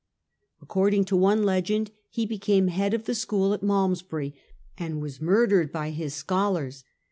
According to one legend he became head of the school at Malmesbury and was murdered by his scholars.